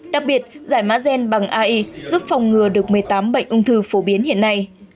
đặc biệt giải mã gen bằng ai giúp phòng ngừa được một mươi tám bệnh ung thư phổ biến hiện nay